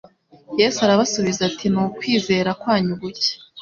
Yesu arabasubiza ati : "Ni ukwizera kwanyu guke.